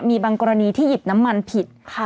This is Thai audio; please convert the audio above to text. มีบางกรณีที่หยิบน้ำมันผิด